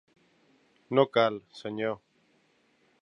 No cal, senyor.